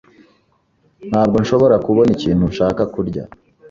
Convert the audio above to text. Ntabwo nshobora kubona ikintu nshaka kurya.